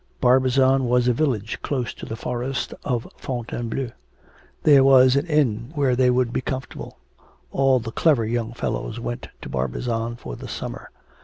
Barbizon was a village close to the Forest of Fontainebleau. There was an inn where they would be comfortable: all the clever young fellows went to Barbizon for the summer.